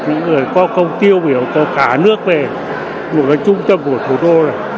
những người có công tiêu biểu của cả nước về một trung tâm của thủ đô